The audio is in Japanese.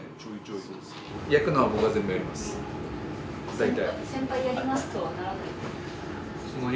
大体。